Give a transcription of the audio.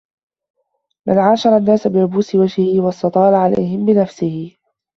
مَنْ عَاشَرَ النَّاسَ بِعُبُوسِ وَجْهِهِ وَاسْتَطَالَ عَلَيْهِمْ بِنَفْسِهِ